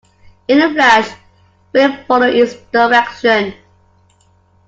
In a flash Philip followed its direction.